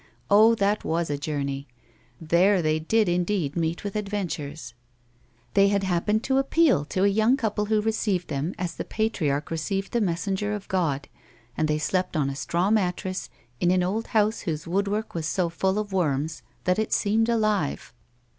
Oh, that was a journey ! There they did indeed meet with adventures ! They had happened to appeal to a young couple who received them as the patriarch received the messenger of God, and they slept on a straw mattress in an old house whose woodwork was so full of worms that it seemed alive.